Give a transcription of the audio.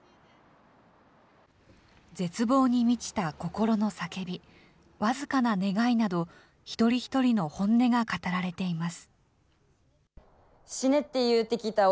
絶望に満ちた心の叫び、僅かな願いなど、一人一人の本音が語られています。